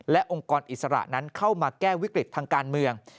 และองค์กรอิสระนั้นเข้ามาแก้วิกฤตทางการเมือง